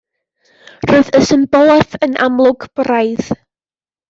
Roedd y symbolaeth yn amlwg braidd.